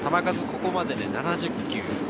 ここまでで７０球。